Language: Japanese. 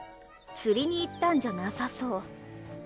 釣りに行ったんじゃなさそう。